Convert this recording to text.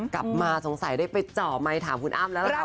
กลับมาสงสัยได้ไปจอมไหมถามคุณอ้ามแล้วนะคะ